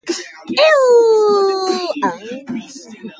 Others were new collectors.